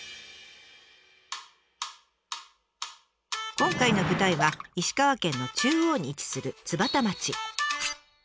今回の舞台は石川県の中央に位置する津幡町。